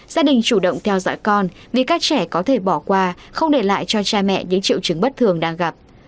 gia đình chủ động theo dõi con vì các trẻ có thể bỏ qua không để lại cho cha mẹ những triệu chứng bất thường đang gặp